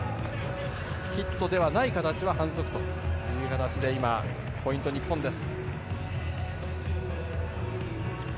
ヒットではない形は反則という形でポイントは日本です。